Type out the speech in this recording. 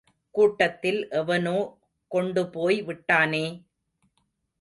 கூட்டத்தில் எவனோ கொண்டு போய் விட்டானே!